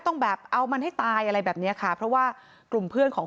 ต้องแบบเอามันให้ตายอะไรแบบเนี้ยค่ะเพราะว่ากลุ่มเพื่อนของ